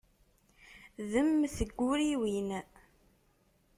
D mm tguriwin.